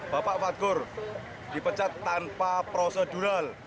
bapak fagur dipecat tanpa prosedural